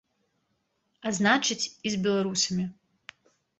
А значыць, і з беларусамі.